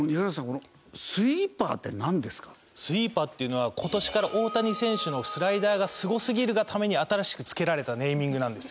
このスイーパーっていうのは今年から大谷選手のスライダーがすごすぎるがために新しく付けられたネーミングなんですよ。